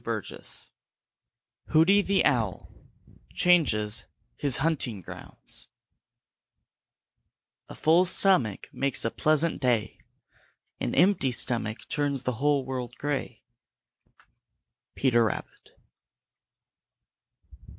CHAPTER III HOOTY THE OWL CHANGES HIS HUNTING GROUNDS A full stomach makes a pleasant Day; An empty stomach turns the whole world gray. Peter Rabbit.